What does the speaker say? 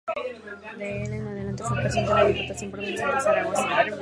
Del en adelante fue Presidente de la Diputación Provincial de Zaragoza.